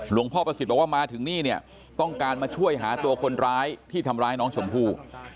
พ่อประสิทธิ์บอกว่ามาถึงนี่เนี่ยต้องการมาช่วยหาตัวคนร้ายที่ทำร้ายน้องชมพู่